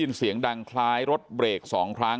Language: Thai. สวัสดีครับทุกคน